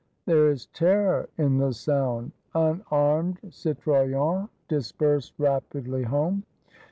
There is terror in the sound. Unarmed Cito yens disperse rapidly home.